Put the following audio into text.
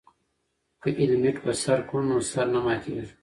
که هیلمټ په سر کړو نو سر نه ماتیږي.